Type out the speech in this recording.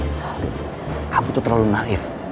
lali kamu tuh terlalu naif